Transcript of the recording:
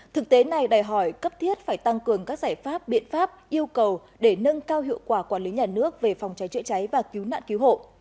thực tế này đòi hỏi cấp thiết phải tăng cường các giải pháp biện pháp yêu cầu để nâng cao hiệu quả quản lý nhà nước về phòng cháy chữa cháy và cứu nạn cứu hộ